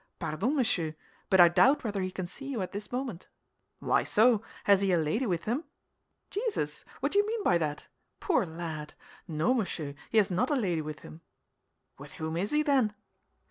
"Pardon, monsieur, but I doubt whether he can see you at this moment." "Why so? Has he a lady with him?" "Jesus! What do you mean by that? Poor lad! No, monsieur, he has not a lady with him." "With whom is he, then?"